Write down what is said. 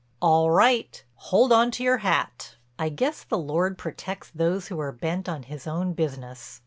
"All right—hold on to your hat." I guess the Lord protects those who are bent on His own business.